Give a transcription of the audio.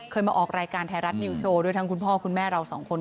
มาออกรายการไทยรัฐนิวโชว์ด้วยทั้งคุณพ่อคุณแม่เราสองคน